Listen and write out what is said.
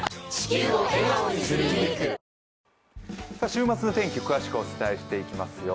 週末の天気を詳しくお伝えしていきますよ。